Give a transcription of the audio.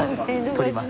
撮ります。